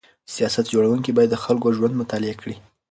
سیاست جوړونکي باید د خلکو ژوند مطالعه کړي.